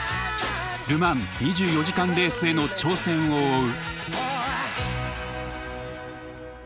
ル・マン２４時間レースへの挑戦を追う。